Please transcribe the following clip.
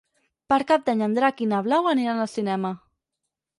Per Cap d'Any en Drac i na Blau aniran al cinema.